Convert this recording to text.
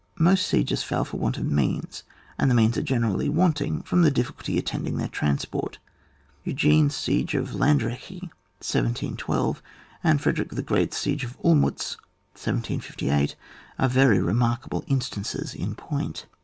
Most sieges fail for want of means, and the means are generally wanting from the difficulty attending their transport. Eugene's sieg^ of Lan dreci, 1712, and Frederick the Cheat's siege of Olmiitz, 1758, are very remark able instances in point.